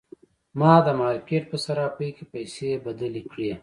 ما د مارکیټ په صرافۍ کې پیسې بدلې کړې.